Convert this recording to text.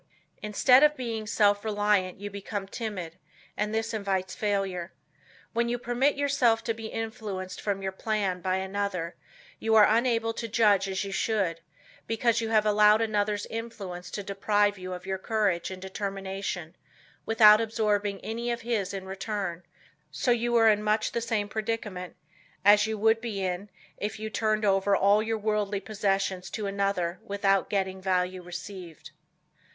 Instead of being self reliant you become timid and this invites failure. When you permit yourself to be influenced from your plan by another, you are unable to judge as you should, because you have allowed another's influence to deprive you of your courage and determination without absorbing any of his in return so you are in much the same predicament, as you would be in if you turned over all your worldly possessions to another without getting "value received."